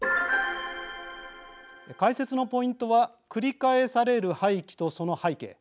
解説のポイントは繰り返される廃棄とその背景。